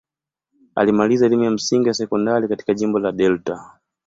Alimaliza elimu ya msingi na sekondari katika jimbo la Delta.